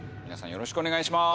よろしくお願いします。